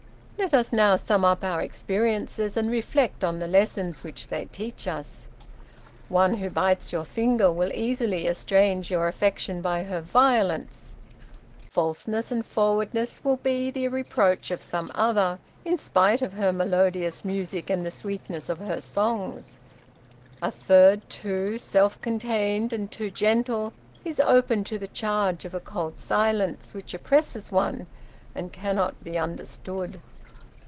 "Let us now sum up our experiences, and reflect on the lessons which they teach us. One who bites your finger will easily estrange your affection by her violence. Falseness and forwardness will be the reproach of some other, in spite of her melodious music and the sweetness of her songs. A third, too self contained and too gentle, is open to the charge of a cold silence, which oppresses one, and cannot be understood.